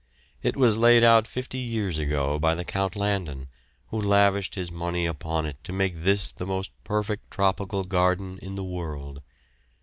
It was laid out fifty years ago by the Count Landon, who lavished his money upon it to make this the most perfect tropical garden in the world.